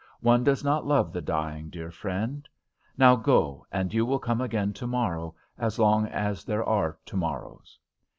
One does not love the dying, dear friend. Now go, and you will come again tomorrow, as long as there are tomorrows."